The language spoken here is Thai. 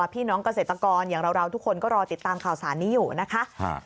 พี่น้องเกษตรกรอย่างเราทุกคนก็รอติดตามข่าวสารนี้อยู่นะคะ